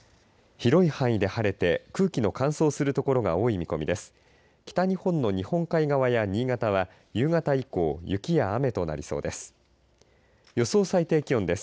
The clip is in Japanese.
広い範囲で晴れて空気の乾燥する所が多い見込みです。